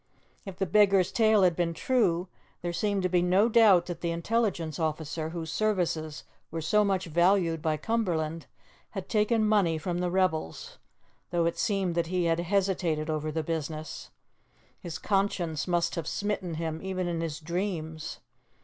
If the beggar's tale had been true, there seemed to be no doubt that the intelligence officer whose services were so much valued by Cumberland, had taken money from the rebels, though it seemed that he had hesitated over the business. His conscience must have smitten him even in his dreams.